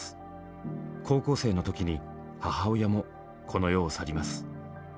高校生の時に母親もこの世を去ります。